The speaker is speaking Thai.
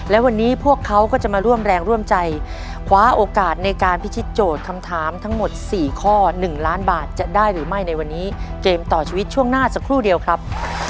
และวันนี้พวกเขาก็จะมาร่วมแรงร่วมใจคว้าโอกาสในการพิชิตโจทย์คำถามทั้งหมด๔ข้อ๑ล้านบาทจะได้หรือไม่ในวันนี้เกมต่อชีวิตช่วงหน้าสักครู่เดียวครับ